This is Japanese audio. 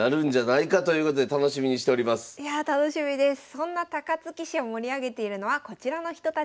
そんな高槻市を盛り上げているのはこちらの人たちです。